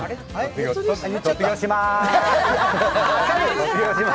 卒業します。